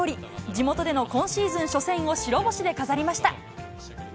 地元での今シーズン初戦を白星で飾りました。